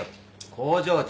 工場長。